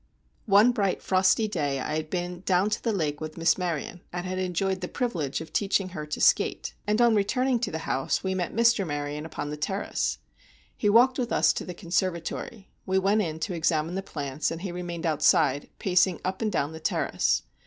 One bright, frosty day I had been down to the lake with Miss Maryon, and had enjoyed the privilege of teaching her to skate; and on returning to the house, we met Mr. Maryon upon the terrace, He walked with us to the conservatory; we went in to examine the plants, and he remained outside, pacing up and down the terrace.